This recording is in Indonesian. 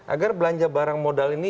agar belanja barang modal ini